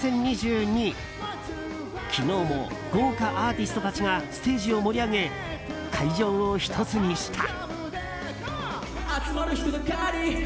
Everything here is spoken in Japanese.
昨日も豪華アーティストたちがステージを盛り上げ会場を１つにした。